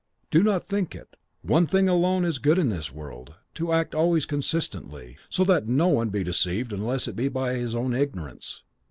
Do not think it. One thing alone is good in this world, to act always consistently, so that no one be deceived unless it be by his own ignorance.